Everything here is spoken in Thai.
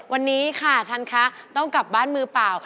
วันนี้ค่ะท่านคะต้องกลับบ้านมือเปล่า